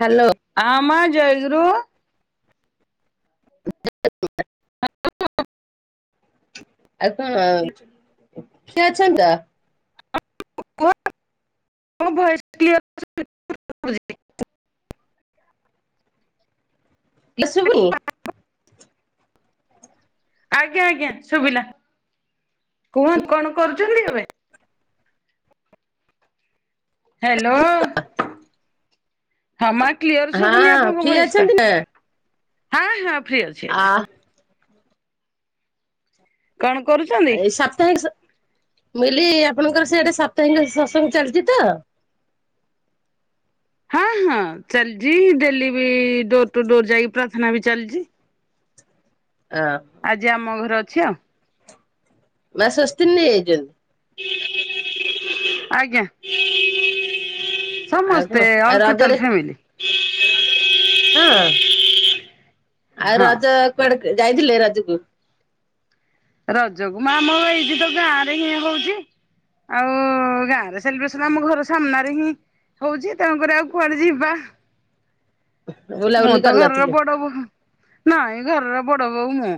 Hello ଆମ ଜୟ ଜର ହ ହ ଆଉ କଣ କିଏ ଅଛ ତ। ୟ ଲଷ୍ମୀ ପୁଣି ଆଜ୍ଞା ଆଜ୍ଞା ଶୁଭିଲା କୁହ କଣ କରୁଛନ୍ତି ଏବେ। ହ୍ୟାଲୋ। ହ ମା କ୍ଲିୟର ହଁ ଶୁଭୁନି ଆପଣଙ୍କ ଫ୍ରି ଭଏସ ଟା। ଅଛନ୍ତି । ହଁ ହଁ। ଫି ଅଛି ଏବେ କଣ କରୁଛନ୍ତି। ମିଲି ଆପଣଙ୍କର ସେ ଗଟେ ସାପ୍ତାହିକ ସତ୍ସଙ୍ଗ ଚାଲିଛି ତ । ହଁ ହଁ ଚାଲିଛି ଡେଲି ବି ଡୋର ଟୁ ଡୋର ଯାଇି ପ୍ରାର୍ଥନା ବି ଚାଲିଛି। ହଁ ଆଜି ଆମ ଘର ଅଛ ମା ଶ ଅସ୍ନଯଇଛନ୍ତି ଆଜ୍ଞା ଆଉ କଣ ସମସ୍ତେ ଆଉ ଅଲ ଟଟାଲ ରଜରେ ଫାମି ହ ହଁ। ଆଉ ହଁ ରଜ କୁଆଡେ ଯାଇଥିଲେ ରଜୁକୁ। ରଜକୁୁ ମା ଆମ ଏଇଠି ତ ଗାଁ ରେ ହିଁ ହଉଛି ଆଉ ଗାଁରେ ସେଲିବ୍ରେସନ ଆମ ଘର ସାମ୍ନାରେ ହିଁ ହଉଛି ତେଣୁକରି ଆଉ କୁଆଡେ ଯିବା ମୁଁ ବୁଲାବୁଲି ତ ଘରର କରିନଥିଲେ ବଡ ବୋ ନାହିଁ ଘରର ବଡ ବୋହୂ ମୁଁ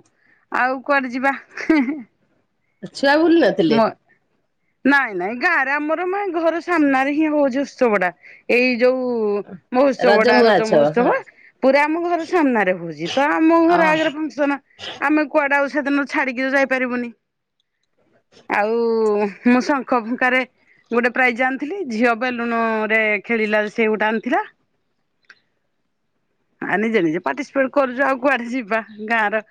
ଆଉ କୁଆଡେ ଯିବା। ହେଁ ହେଁ। ଛୁଆ ବୁଲ୍ ନଥିଲେ। ନାଇଁ ନାଇଁ ଗାଁ ରେ ଆମର ଘର ସାମ୍ନାରେ ହିଁ ହଉଛି ଉତ୍ସବଟା ଏଇ ଯୋଉ ମହୋତ୍ସବଟା ମୁଆଁ ରଜ ଛଅ ହଁ ମହୋତ୍ସବ ପୁରା ଆମ ଘର ସାମ୍ନାରେ ହଉଛି ତ ଆମ ଅ ଘର ଆଗରେ ଫଙ୍କସନ ଆମେ କୁଆଡ ସେଦିନ ଛାଡିକି ତ ଯାଇପାରିବୁନି। ଆଉ ମୁଁ ଶଙ୍ଖ ଫୁଙ୍କାରେ ଗୋଟେ ପ୍ରାଇଜ ଆଣିଥିଲି ଝିଅ ବେଲୁନରେ ଖେଳିଲା ସେ ଗୋଟେ ଆଣିଥିଲା। ଆ ନିଜେ ନିଜେ ପାର୍ଟିସିପେଟ କରୁଛୁ ଆଉ କୁଆଡେ ଯିବା ଗାଁର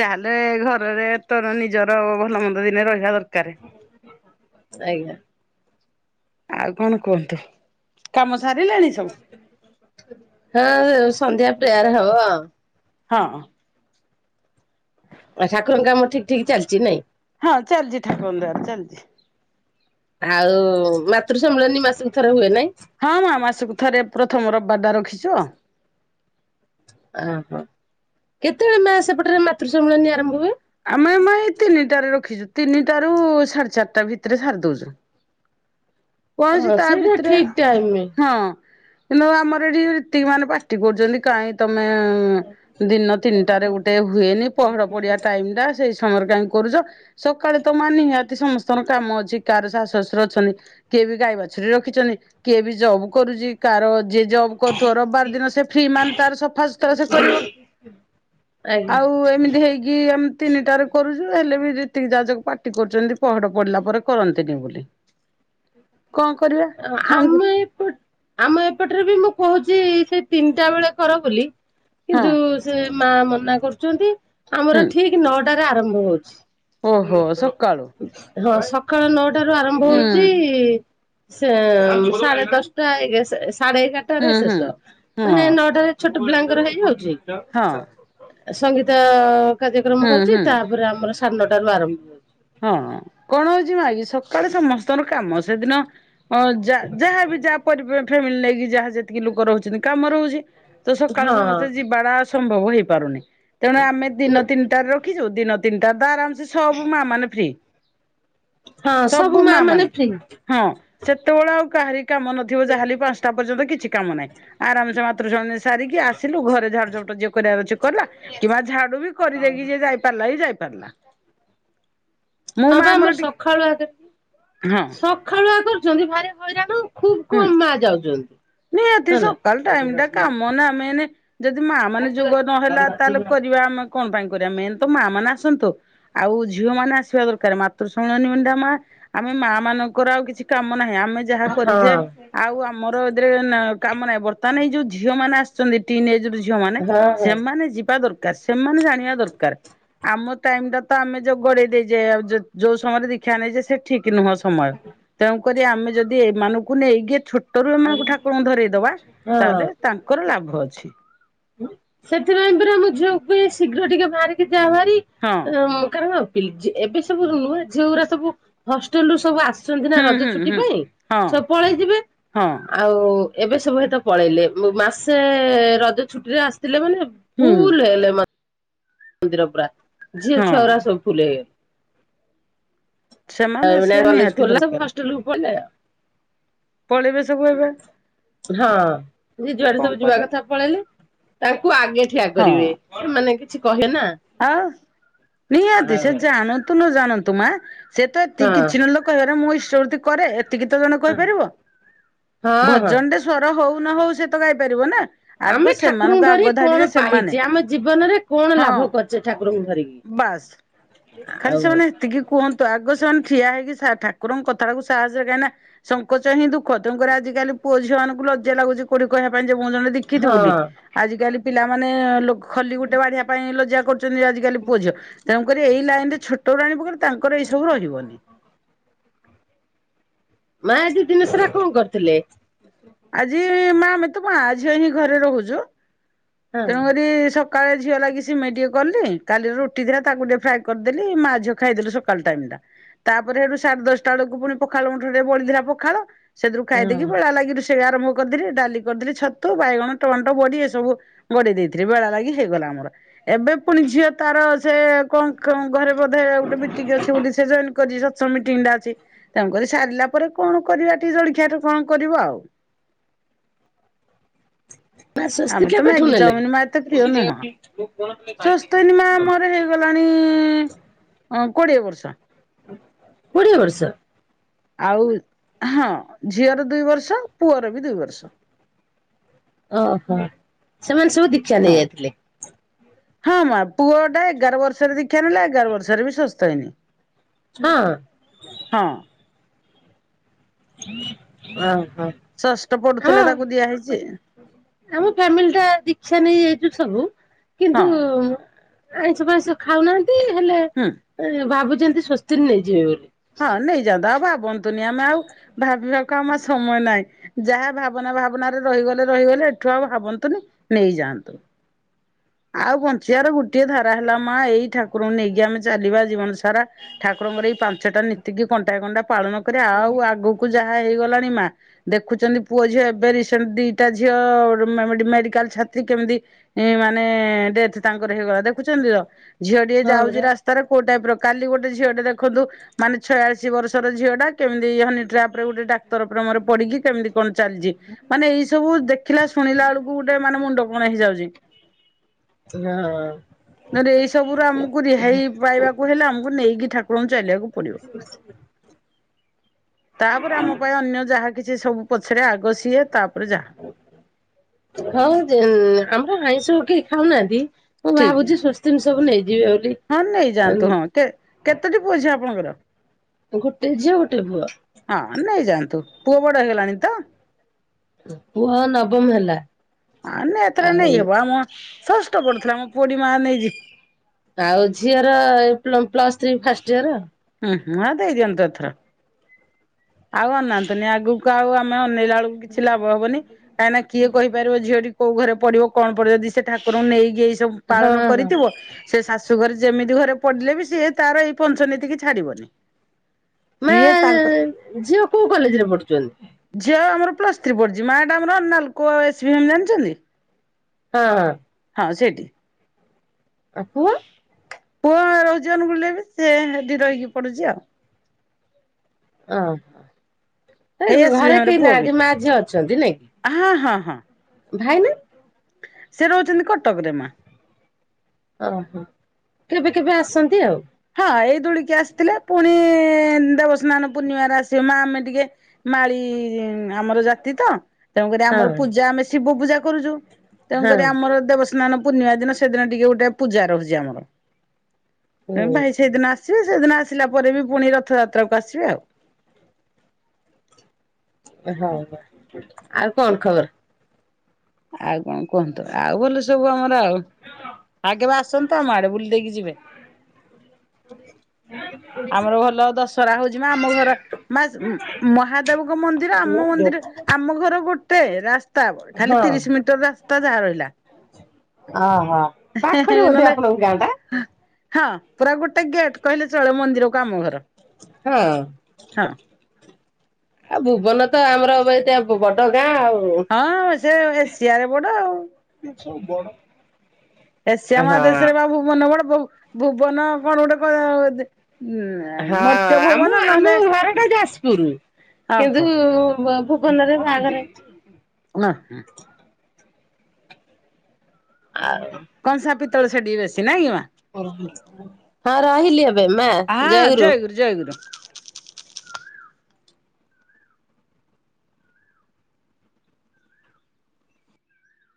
ଯାହାହେଲେ ଘରରେ ତୋର ନିଜର ଭଲ ମନ୍ଦ ଦିନେ ରହିବା ଦରକାର। ଆଜ୍ଞା। ଆଉ କଣ କୁହନ୍ତୁ? କାମ ସାରିଲାଣି ସବୁ ହଁ ସନ୍ଧ୍ୟା ପ୍ରେୟାର ହବ। ହଁ। ଆଉ ଠାକୁରଙ୍କ କାମ ଠିକ ଠିକ ଚାଲିଛି ନାଇଁ। ହଁ ଚାଲିଛି ଠାକୁର ଦ୍ବାର ଚାଲିଛି। ଆଉ ମାତୃ ସମ୍ମିଳନୀ ମାସକୁ ଥର ହୁଏ ନାଇଁ। ହଁ ମା ମାସକୁ ଥରେ ପ୍ରଥମ ରବିବାର ଟା ରଖିଛୁ ଅଉ। ଓହୋ କେତେବେଳେ ମା ସେପଟରେ ମାତୃ ସମ୍ମିଳନୀ ଆରମ୍ଭ ହୁଏ? ଆମେ ମା ଏଇ ତିନିଟାରେ ରଖିଛୁ ତିନିଟା ରୁ ସାଢେ ଚାରିଟା ଭିତରେ ସାରି ଦଉଛୁ। ପହଞ୍ଚି ହଁ ତା ସେଇଟା ଭିତରେ ଠିକ ଟାଇମ ହଁ। କିନ୍ତୁ ଆମର ଏଠି ରୀତିକ୍ ମାନେ ପାଟି କରୁଛନ୍ତି କାହିଁ ତ [unintelligible] ଦିନ ତିନିଟାରେ ଗୋଟେ ହୁଏନି ପହଡ ପଡିଆ ସେଇ ସମୟରେ କାହିଁ କରୁଛ ସକାଳେ ତ ମାନି ନିିହାତି ସମସ୍ତଙ୍କର କାମ ଅଛି କାହାର ଶାଶୁ ଶାଶୁର ଅଛନ୍ତି କିଏ ବି ଗାଈ ବାଛୁରୀ ରଖିଛନ୍ତି କିଏ ବି ଜବ୍ କରୁଛି କାହାର ଯିଏ ଜବ୍ କରୁଥିବ ରବିବାର ଦିନ ସେ ଫ୍ରି ମାନେ ତାର ସଫା ସୁତୁରା ସେ କରିବ ଆଜ୍ଞା ଆଉ ଏମିତି ହେଇକି କି ଆମେ ତିନିଟାରେ କରୁଛୁ ହେଲେ ବି ଯେତିକି ଯାହାଜକ ପାଟି କରୁଛନ୍ତି ପହଡ ପଡିଲା ପରେ କରନ୍ତିନି ବୋଲି। କଣ କରିବା ଆମକୁ ଆମେ ଏପ ଆମ ଏପଟରେ ବି ମୁଁ କହୁଛି ସେ ତିନିଟା ବେଳେ କର ବୋଲି। ହଁ। କିନ୍ତୁ ସେ ମା ମନା କରୁ ଚନ୍ତି। ଆମର ହୁଁ ଠିକ୍ ନ ଟାରେ ଆରମ୍ଭ ହଉଛି। ଓହୋ ସକାଳୁ। ହଁ ସକାଳ ନଅଟା। ାରୁ ଆରମ୍ଭ ହୁଁ ହଉଛି। ସେ ସାଢ଼େ ଦଶଟା ହେଇଗ ସାଢେ ଏଗାରଟାରେ ହୁଁ ହୁଁ। ଶେଷ ହଁ ମାନେ ନଅଟାରେ ଛୋଟ ପିଲାଙ୍କର ହେଇଯାଉଛି। ଚା ହଁ [inaudible] ସଙ୍ଗୀତ କାର୍ଯ୍ୟକ୍ରମ ହୁଁ ହଉଛି ହୁଁ ତାପରେ ଆମର ସାଡେନ ଟାରୁଆର ଭଡ଼ ବମ ହେଉଚି। ହଁ କଣ ହଉଛି ମାଗ ସକାଳେ ସମସ୍ତେ। କାମ ସେଦିନ ଅ ଯ ଯାହାବ ଯା ପର ଫ ମିିଲ ଲାଗ କି ଯା ଯେତିକି ଲୋକ ରହୁଛନ୍ତି କାମ ରହୁଛି। ତ ସକାଳୁ ହଁ ସମସ୍ତେ ଯିବାଡା ସମ୍ଭବ ହେଇପାରୁନି। ତେଣୁ ଆମେ ନ ଦିନ ତିନିଟାରେ ର ରଖି ଦିନ ତିନିଟା ତ ଆରାମ ସେେ ସବୁ ମା ମାନେ ଉପେ। ହଁ ସବୁ ମା ମାନେ ଫ୍ରି । ହଁ ସେତେବେଳେ ଆଉ କାହାରି କାମ ନଥିବ ଯାହାଲି ପାଞ୍ଚଟା ପର୍ଯ୍ୟନ୍ତ କିଛି କାମ ନାହିଁ, ଆରାମ ସେ [unintelligible] ସାରିକି ଆସିଲୁ ଘରେ ଝାଡୁ ଝାଡୁ ଯିଏ କରିବାର ଅଛି କଲା, କିବା ଝାଡୁ ବି କରିଦେଇକି ଯିଏ ଯାଇ ପାରିଲା ଯାଇ। [unintelligible] ହଁ ବା ଆମର ସଖାଳୁଆ ଆଗେ, ହଁ ସଖାଳୁଆ କରୁଛନ୍ତି ଭାରି ହଇରାଣୁ। ହୁଁ ନିହାତି ହେଲା। ସକାଳ ଟାଇମ ଟା କାମ ନା, ମେନେ ଯଦି ମା ମାନେ ଯୋଗ ନହେଲା ତାହେଲେ କରିବା ଆମେ କଣ ପାଇଁ କରିବା। ମେନ୍ ତ ମା ମାନେ ଆସନ୍ତୁ, ଆଉ ଝିଅ ମାନେ ଆସିବା ଦରକାର ମାତୃ ଶୁଣନି ମେଣ୍ଢା ମା ଆମେ ମା ମାନଙ୍କର ଆଉ କିଛି କାମ। ନାହିଁ ଆମେ ଯାହା ହଁ କରି ଯେେ। ହଁ ଆଉ ଆମର ଏଥିରେ କାମ ନାହିଁ ବର୍ତ୍ତମାନ ଏଇ ଯୋଉ ଝିଅ ମାନେ ଆସି। ଛନ୍ତି ଟିନଜ ର ଝି। ଝିଅ ମାନେ ହଁ ସେମାନେ ଯିବା ଦରକାର। ସେମାନେ ଜାଣିବା ଦରକାର ଆମ ଟାଇମ ଟା ତ ଆମେ ଯୋଉ ଗଡେଇ ଦେଇଛେ ଆଉ ଯୋଉ ସମୟରେ ଦିକ୍ଷା ନେଇଛେ ସେ ଠିକ। କି ନୁହଁ ସମୟ ତାଙ୍କୁ ତେଣୁ କରି ଆମେ ଯଦି ଏମାନଙ୍କୁ। କୁ ନେଇ କି ଛୋ ଟରୁ ଏମାନଙ୍କୁ ଠାକୁରଙ୍କୁ ଧରଇ ଦବା, ହଁ ତାହେଲେ ତାଙ୍କର ଲାଭ ଅଛି। ସେଥିପାଇଁ ପରା ମୁ ଝିଅକୁ କୁହେ ଶୀଘ୍ର ଟିକେ ବାହାରିକି। ଜା ଭାରି ହଁ ଏଁ କାରଣ । ପି ଝି ଏବେ ସବୁ ନୁହେଁ ଝିଅ ଗୁଡା ସବୁ ହଷ୍ଟେଲ ରୁ ସବୁ ଆସି। ଛନ୍ତି ନା ହୁଁ ରଜ ହୁଁ ଛୁଟି ହୁଁ ପାଇଁ ହଁ ସବୁ ପଳେଇ ଯିବେ । ହଁ। ଓ ଏବେ ସବୁ ହେଇତ ପଳେଇଲେ ମାସେ ରଜ ଛୁଟିରେ ଆସ । ଥିଲେ ମାନେ ହୁଁ ଫଲ ହେଲେ ମ ନ୍ଦିରର ପୁରା। ଝିଅ ଛୁଆ ହଁ ଗୁରା ସବୁ ଫୁଲ ହେବେ । ସେମାନେ ଆସିବା କଲେଜ ନିହାତି ଖୋଲିଲା ସବୁ ଦରକାର ହଷ୍ଟେଲ କୁ ପଲେ ଆଉ । ପଳେଇବେ ସବୁ ଏବେ ହଁ ଯେ ଯୁଆଡ଼େ କଣ ସବୁ ଯିବା କରିବା କଥା ପଳେଇଲେ। ତାଙ୍କୁ ଆଗେ। ଠିଆ ହଁ କରିବେ ସେମାନେ। କିଛି କହି ଆଉ ନିହାତି ସେ ଜାଣନ୍ତୁ ନଜଣାନ୍ତୁ । ତୁମା। ସେ ତ ଏତିକି ହଁ। କିଛି ନ ଏଲେ କହିବାର ମୋ ଇସ ଷ୍ଟ ବୃତ୍ତି କରେ । ଏତିକ ତ ଜଣେ ହଁ କହିପାରିବ ହଁ। ଭଜନରେ ସ୍ୱର ହଉ । ନହଉ ସେ ତ ଗାଇପାରିବ ନା । ଆମେ ଠାକୁରଙ୍କୁ ଧରି କଣ ପାଇଛେ ଆମ ଜୀବନରେ କଣ ହଁ ଲାଭ କରିଛେ । ଛେ ଠାକୁରଙ୍କୁ ଧରିକି ବାସ୍ । ଖାଲି ସେମାନେ ଏତିକି କୁହନ୍ତୁ ଆଗ ସେମାନେ ଠିଆ ହେଇକି ସା ଠା ଠାକୁରଙ୍କ କଥାଟାକୁ ସାହାସ କାହିଁକନା ସଙ୍କୋଚ ହିଁ ଦୁ ଖ ତେଣୁ। କରି ଆଜି କାଲି ପୁଅ, ଝିଅ ମାନଙ୍କୁ । ଲଜ୍ୟା ଲାଗୁଚି କଉଠି କହିୟାକୁ । ମୁଁ ଜଣେ ଦେଖିତ୍ ବୋଲି ହଁ। ଆଜିକାଲି । ପିଲାମାନେ ଲୋକ ଖଲି ଗୋଟେ ବାଢିବା ପାଇଁ ଲଜା କରୁଛି। ଆଜିକାଲି ପୁଅ, ଝିଅ ତେଣୁ କରି ଏଇଲାଇନ ପ [inaudible] ତାଙ୍କର ଏଇ ସବୁ ରହିବନି। ମା ଆଜିି ଦିନେସାରା କଣ କରୁଥିଲେ। ଆଜି, ଏ ମା ଆମେତ ମାଆ ଝିଅ ହିଁ ଘରେ ରହୁଛୁ। ହଁ ତେଣୁ ରି ସ ସକାଳେ ଝିଅ ଲାଗି ସିମେଇ ଟିକେ କଲି କାଲିର ରୁଟି ଥିଲା ତାକୁ ଟିକେ ଫ୍ରା ଏ କରିଦେଲି ମା, ଝିଅ ଖାଇଦେଲୁ ସକାଳ ଟାଇମ ଟା ତାପରେ ସେଠୁ ସାଢେ ଦଶଟା ବେଳକୁ ପୁଣି ପଖାଳ ମୁଠେ ମୁଠେ ଟେ ବଳିଥିଲା ପଖାଳ ସେଥିରୁ ହଁ। ଖାଇଦକି ବେଳା ଲାଗି ରୁଷ ସେ ଆରମ୍ଭ କରିଦେଲି ଡାଲି କରିଦେଲି ଛତୁ ବାଇଗଣ ଟମାଟୋ ବଢ଼ି ଏ ସବୁ ଗଡିଇ ଦେଇଥିଲି ଭୋଳା ଲାଗି ହେଇଗଲା ମୋର ଏବେ ପୁଣି ଝିଅ ତାର ସେ କଣ ଘରେ ବୋଧ ଗୋଟେ ମିଟିଙ୍ଗ ଅଛି ବୋଲି ସେ ଜଏନ୍ କରି ମିଟିଙ୍ଗ ଟା ଅଛି ତେଣୁକରି ସାରିଲା ପରେ କଣ କରିବା ଟିକେ ଜଳଖିଆ ଟିକେ କଣ କରିବ ଆଉ ମା ସ୍ୱସ୍ତି ଆମେ ତ କେବେଠୁ ମ୍ୟାଗି ନେଲେ? ଚାଉମିନ ମା ଏତେ ପ୍ରିୟ ନୁହଁ ସ୍ୱସ୍ତିନ ମା ଆମର ହେଇଗଲାଣି କୋଡ଼ିଏ ବର୍ଷ। କୋଡ଼ିଏ ବର୍ଷ। ଆଉ ହଁ ଝିଅର ଦୁଇ ବର୍ଷ ପୁଅର ବି ଦୁଇ ବର୍ଷ। ଓହୋ ସେମାନେ ସବୁ ଦୀକ୍ଷା ହଁ ନେଇ ଯାଇଥିଲେ ହଁ ମା ପୁଅ ଟା ଏଗାର ବର୍ଷରେ ଦୀକ୍ଷା ନେଲା ଏଗାର ବର୍ଷରେ ବି ସ୍ୱସ୍ତୟିନୀ ହଁ, ହଁ, ଷଷ୍ଠ ହଁ ପଢୁଥିଲା ତାକୁ ଦିଆହେଇଛି ଆମ ଆମ ଫାମିଲି ଟା ଦୀକ୍ଷା ନେଇ ଯାଇଛୁ ସବୁ ହଁ କିନ୍ତୁ ଆଇଁଷ ଫାଇଁଷ ଖାଉନା। ଦିନ ହୁଁ ହେଲେ ଭାବୁ ଯେମିତି ସ୍ୱସ୍ତିନ ନେଇଯିବେ ବୋଲି। ହଁ ନେଇ ଯା ବା ଭାବନ୍ତୁନି ଆମେ ଆଉ ଭାବିବାକୁ ଆମ ସମୟ ନାହିଁ ଯାହା ଭାବନା ଭାବନାରେ ରହିଗଲେ ରହିଗଲେ ଏଠୁ ଆଉ ଭାବନ୍ତୁନି ନେଇଯାଆନ୍ତୁ। ଆଉ ବଞ୍ଚିବାର ଗୋଟିଏ ଧାରା ହେଲା ମା ଏଇ ଠାକୁରଙ୍କୁ ନେଇକି ଆମେ ଚାଲିବା ଜୀବନ ସାରା ଠାକୁରଙ୍କର ଏଇ ପା ସେଟା ନିତିକି କଣ୍ଟା କଣ୍ଟା ପାଳନ କରି ଆଉ ଆଗକୁ ଯାହା ହେଇଗଲା ମା ଦେଖୁଛନ୍ତି ପୁଅ ଝିଅ ଏବେ ରିସେଣ୍ଟ ଦିଟା ଝିଅ ମେଡିକାଲ ଛାଡିଥିଲି କେମିତି ମାନେ, ଡେଥ ତାଙ୍କର ହେଇଗଲା ଦେଖୁଛନ୍ତି ତ ଝିଅଟିଏ ହଁ ଯାଉଛି ପରା ରାସ୍ତାରେ କଉଟାଇପର କାଲି ଗୋଟେ ଝିଅ ଟେ ଦେଖନ୍ତୁ ମାନେ ଛୟାଶୀ ବର୍ଷର ଝିଅ ଟା କେମିତି [inaudible] ଟ୍ରାପ ଗୋଟେ ଉତ୍ତର ପ୍ରେମରେ ପଡିକି କେମିତି କଣ ଚାଲିଛି ମାନେ ଏଇ ସବୁ ଦେଖିଲା ଶୁଣିଲା ବେଳକୁ ଗୋଟେ ମାନେ ମୁଣ୍ଡ କଣ ହେଇଯାଉଛି। ହଁ ନହଲେ ଏଇ ସବୁ ର ଆମକୁ ରିହାଇ ପାଇବାକୁ ହେଲେ ଆମକୁ ନେଇକି ଠାକୁର ଚାଲିବାକୁ ପଡିବ ତାପରେ ଆମ ପାଇଁ ଅନ୍ୟ ଯାହା କି ସିଏ ସବୁ ପଛରେ ଆଗ ସିଏ ତାପରେ ଯାହା। ହଁ ଆମର ହାଇ ତ କି ଖାଉନାହାନ୍ତିି। ମୁଁ ଠିକ୍ ଭାବୁଛି ସ୍ଵସ୍ତି ସବୁ ନାଇଁ ହଁ ନେଇଯାଆନ୍ତୁ ହଁ କେ କେତଟି ପୁଅ ଝିଅ ଆପଣଙ୍କର ହ ଗୋଟେ ଝିଅ ଗୋଟେ ପୁଅ। ଯାଆନ୍ତୁ ପୁଅ ବଡ ହେଇଗଲାଣି ତ। ପୁହ ନବମ ହେଲା। ଆ ନା ଏଥର ଆଉ ନେଇହବ ଆମ ଷଷ୍ଠ ପଢୁଥିଲା ଆମ ପୁଅ ଟି ମା ନେଇ ଆଉ ଝିଅର ପ୍ଲ ପ୍ଲସ୍ ଥ୍ରି ଫାଷ୍ଟ ଇୟର ହୁଁ ହଁ ଦେଇଦିଅନ୍ତୁ ଏଥର। ଆଉ ଅନାନ୍ତିନି ଆଗକୁ ଆଉ ଆମେ ନେଲା ବେଳକୁ କିଛି ଲାଭ ହବନି କାହିଁକି ନା କିଏ କହିପାରିବ ଝିଅଟି କୋଉ ଘରେ ପଡିବ କଣ ପଡିବ ଯଦି ସେ ଠାକୁରଙ୍କୁ ନେଇକି ସବୁ ହଁ ପାଳନ ହଁ। କରିଥିବ ସେ ଶାଶୁ ଘରେ ଯେମିତି ଘରେ ପଡ଼ିଲେ ବି ସିଏ ତାର ଏଇ ପଂଞ୍ଚ ନୀତିକି ଛାଡ଼ିବନି। ମା ସିଏ ତାଙ୍କର ଝିଅ କୋଉଁ କଲେଜ ରେ ପଢୁଛନ୍ତି? ଆମର ପ୍ଲସ୍ ଥ୍ରୀ ପଢୁଛି ମା ଟା ଆମର ନାଲକୋ ଏସ୍ ବି ଏମ୍ ଜାଣିଛନ୍ତି। ହଁ ହଁ ହଁ ସେଠି। ଆ କୁହ। ପୁଅ ରହୁଜନ ବୁ ବି ସେ ହେଠି ରହିକି ପଡୁଛି ଆଉ ହ ହେଇ ହ ଏସ୍ ଭି ଘରେ ଏମ୍ ରେ କେହି ପୁଅ ନା ବି ମା ଝିଅ ଅଛନ୍ତି ନାଇଁ କି ହଁ ହଁ ହଁ ଭାଇ ନା ସେ ରହୁଛନ୍ତି କଟକରେମା ଓହୋ କେବେ କେବେ ଆସନ୍ତି ଆଉ। ହଁ ଏଇ ଦୋଳିକି ଆସିଥିଲେ ପୁଣି ଦେବସ୍ନାନ ପୂର୍ଣ୍ଣିମାରେ ଆସିବ ମା ଆମେ ଟିକେ ମାଳି ଆମର ଜାତି ତ ତେୁକରି ଆମର ହଁ ପୂଜା ଆମ ଶିବ ପୂଜା କରୁଛୁ। ତେଣୁ ହଁ କରିରି ଆମର ଦେବ ସ୍ନାନ ପୂର୍ଣ୍ଣିମା ଦିନ ସେଦିନ ଟିକେ ଗୋଟେ ପୂଜା ରହୁଛି ଆମର ତୁମେ ହୁଁ ଭାଇ ସେଇଦିନ ଆସ। ଆସିବେ ସେଦିନ ଆସିଲା ପରେ ବି ପୁଣି ରଥଯାତ୍ରାକୁ ଆସିବେ ଆଉ। ହଁ ଆଉ କଣ ଖବର? ଆଉ କଣ କୁହନ୍ତୁ ଆଉ ଭ ସବୁ ଆ ଆଉ ଆଗ ବା ଆସ ଆସନ୍ତୁ ଆମ ଆଡେ ବୁଲି ଦେଇକି ଯିବେ। ହ ଆମର ଭଲ ଦଶହରା ହଉଛି ମା ଆମ ଘର ମା ମହାଦେବଙ୍କ ମନ୍ଦିର ଆମ ମନ୍ଦିର ଆମ ଘର ଗୋଟେ ରାସ୍ତା ହଁ ଖାଲି ତିରିଶ ମିଟର ରାସ୍ତା ତ ଯାହା ରହିଲା। ଓହୋ ପାଖରେ ବୋଧେ ନହେଲେ ଆପଣଙ୍କ ଗାଁ ଟା। ହଁ। ପୁର ଗୋଟେ ଗେଟ କହିଲେ ଚଳେଳ ମନ୍ଦର ର କ ଆମ ଘର ହଁ। ହଁ ଆଉ ଭୁବନ ତ ଆମର ଏତେ ବଡ ଗାଁ ଆଉ। ହଁ ସେ ଏସିଆରେ ବଡ ଆଉ। ଏସିଆ ହଁ ମହାଦେଶରେ ବା ଭୁବନ ବଡ ବୁ ଭୁବନ କଣ ଗୋଟେ କ। ହଁ ଆମ ଆମ ଘର ଟା ଯାଜ ପୁରୁ। ଓହୋ କିନ୍ତୁ ବ ବନରେ ବାହାଘର। ନା। ଆଉ କନ୍ସା ପି ତଳେ ସେଠିକି ବେଶୀ ନାଇ କି ମା। ଓ ହଁ। ରହିଲି ଏ ହଁ ଜୟ ଗୁରୁ ଜୟ ଗୁରୁ।